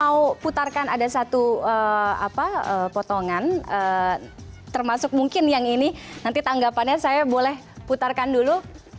mau putarkan ada satu potongan termasuk mungkin yang ini nanti tanggapannya saya boleh putarkan dulu